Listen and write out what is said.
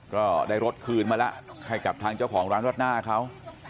ก็ได้รถคืนมาแล้วให้กับทางเจ้าของร้านรวดหน้าเขา